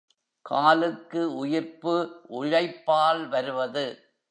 காலுக்கு உயிர்ப்பு உழைப்பால் வருவது.